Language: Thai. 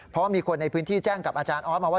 เพราะมีคนในพื้นที่แจ้งกับอาจารย์ออสมาว่า